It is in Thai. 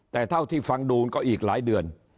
แต่เท่าที่ฟังดูมันก็อีกหลายเดือน